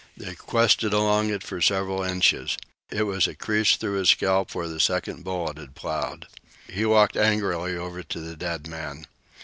They quested along it for several inches. It was a crease through his scalp where the second bullet had ploughed. He walked angrily over to the dead man.